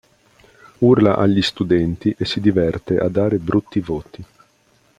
Urla agli studenti e si diverte a dare brutti voti.